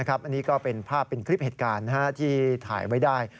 อันนี้ก็เป็นภาพเป็นคลิปเหตุการณ์ที่ถ่ายไว้ได้